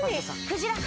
くじら？